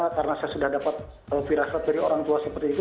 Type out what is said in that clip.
karena saya sudah dapat virasat dari orang tua seperti itu